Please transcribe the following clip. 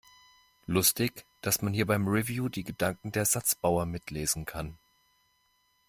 Lustig, dass man hier beim Review die Gedanken der Satzbauer mitlesen kann!